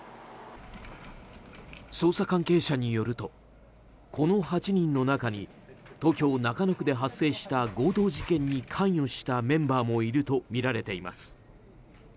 捜査関係者によるとこの８人の中に東京・中野区で発生した強盗事件に関与したメンバーもいるとみられています。